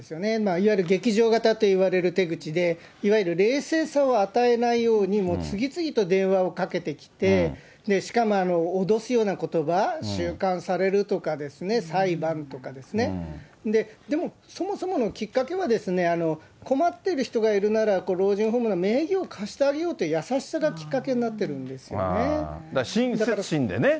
いわゆる劇場型といわれる手口で、いわゆる冷静さを与えないように、次々と電話をかけてきて、しかも脅すようなことば、収監されるとかですね、裁判とかですね、でも、そもそものきっかけは、困っている人がいるなら、老人ホームの名義を貸してあげようという優しさがきっかけになっだから親切心でね。